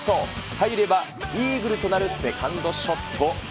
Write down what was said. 入ればイーグルとなるセカンドショット。